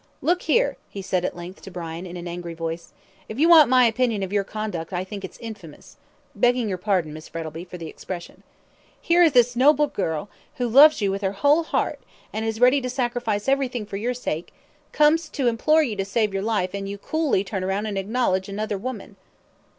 "Look here," he said, at length, to Brian, in an angry voice; "if you want my opinion of your conduct I think it's infamous begging your pardon, Miss Frettlby, for the expression. Here is this noble girl, who loves you with her whole heart, and is ready to sacrifice everything for your sake, comes to implore you to save your life, and you coolly turn round and acknowledge another woman."